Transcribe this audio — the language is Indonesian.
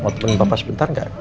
mau tuntun bapak sebentar gak